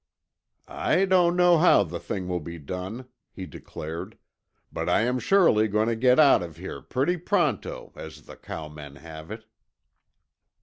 "I don't know how the thing will be done," he declared, "but I am surely going to get out of here pretty pronto, as the cowmen have it."